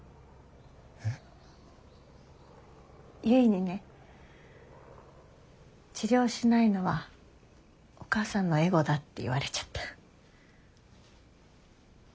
結にね治療しないのはお母さんのエゴだって言われちゃった。